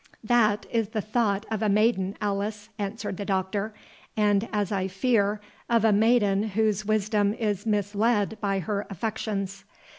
"That is the thought of a maiden, Alice," answered the Doctor; "and, as I fear, of a maiden whose wisdom is misled by her affections.